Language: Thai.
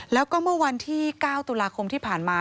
แล้วก็เมื่อวันที่๙ตุลาคมที่ผ่านมา